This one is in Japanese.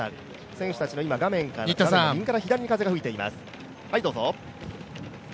選手たちの画面左側から風が吹いています。